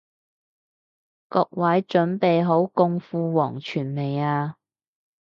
各位準備好共赴黃泉未啊？